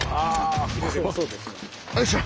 よいしょ。